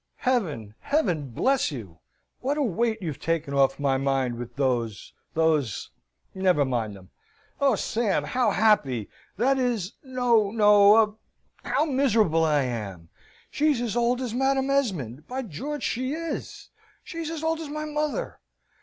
Heaven, Heaven bless you! What a weight you've taken off my mind with those those never mind them! Oh, Sam! How happy that is, no, no ob, how miserable I am! She's as old as Madam Esmond by George she is she's as old as my mother.